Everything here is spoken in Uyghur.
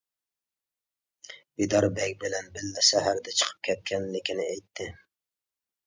بىدار بەگ بىلەن بىللە سەھەردە چىقىپ كەتكەنلىكىنى ئېيتتى.